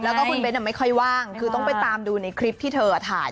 แล้วก็ไม่ค่อยว่างต้องไปตามดูคลิปที่เธอถ่าย